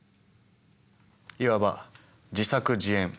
いわば自作自演。